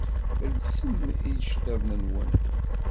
Lsem iceṭṭiḍen-nwen!